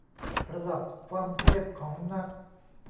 ระดับความเทพ ของนัก